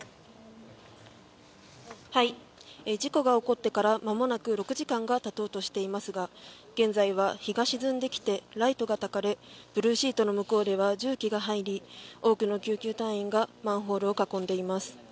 事故が起こってからまもなく６時間が経とうとしていますが現在は日が沈んできてライトがたかれブルーシートの向こうでは重機が入り多くの救急隊員がマンホールを囲んでいます。